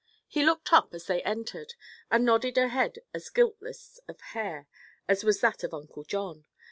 He looked up, as they entered, and nodded a head as guiltless of hair as was that of Uncle John.